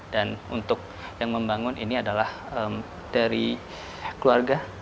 dan untuk yang membangun ini adalah dari keluarga